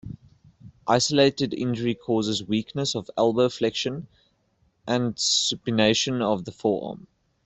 Isolated injury causes weakness of elbow flexion and supination of the forearm.